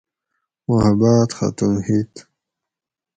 محبات ختم ھیت